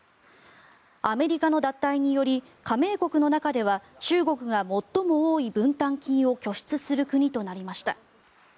アメリカの脱退により加盟国の中では中国が最も多い分担金を拠出する国となりました。